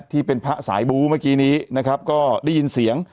ที่เป็นพระสายบูเมื่อกี้นี้นะครับก็ได้ยินเสียง